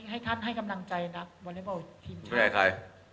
ให้ท่านให้คำนังใจครับ